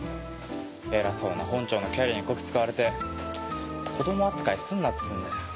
偉そうな本庁のキャリアにコキ使われて子ども扱いすんなっつうんだよ。